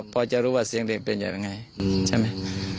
พอจะรู้เสียงเด็กเป็นยังไง